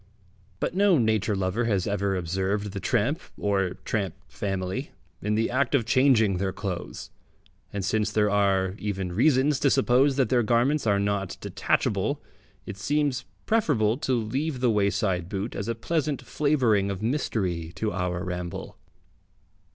But no nature lover has ever observed the tramp or tramp family in the act of changing their clothes, and since there are even reasons to suppose that their garments are not detachable, it seems preferable to leave the wayside boot as a pleasant flavouring of mystery to our ramble.